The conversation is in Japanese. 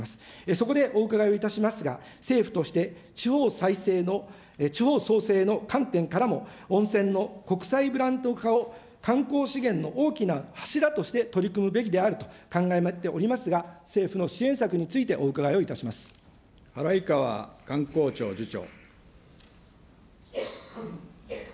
そこでお伺いをいたしますが、政府として地方再生の、地方創生の観点からも、温泉の国際ブランド化を観光資源の大きな柱として取り組むべきであると考えておりますが、政府の支援策についてお伺いをいたしま秡川観光庁次長。